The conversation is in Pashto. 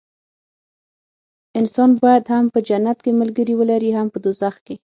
انسان باید هم په جنت کې ملګري ولري هم په دوزخ کې.